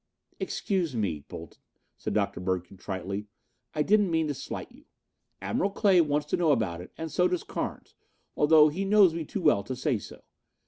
"Excuse me, Bolton," said Dr. Bird contritely; "I didn't mean to slight you. Admiral Clay wants to know about it and so does Carnes, although he knows me too well to say so.